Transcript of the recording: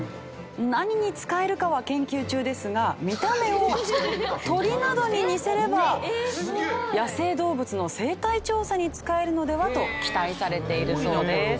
何に使えるかは研究中ですが見た目を鳥などに似せれば野生動物の生態調査に使えるのではと期待されているそうです。